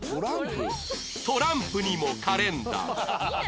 トランプにもカレンダー